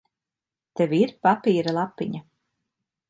Tev ir papīra lapiņa?